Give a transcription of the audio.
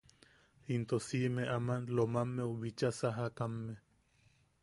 Into simme aman Lo- mammeu bicha sajakame.